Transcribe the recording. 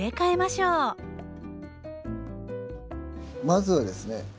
まずはですね